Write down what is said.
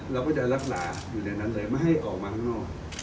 เราก็จะรักษาอยู่ในนั้นเลยไม่ให้ออกมาข้างนอก